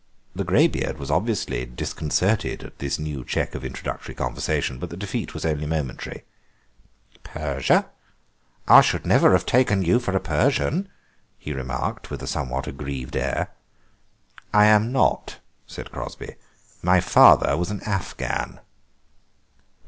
The greybeard was obviously disconcerted at this new check to introductory conversation, but the defeat was only momentary. "Persia. I should never have taken you for a Persian," he remarked, with a somewhat aggrieved air. "I am not," said Crosby; "my father was an Afghan."